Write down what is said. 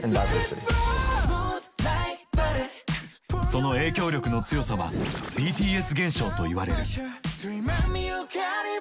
その影響力の強さは「ＢＴＳ現象」といわれる。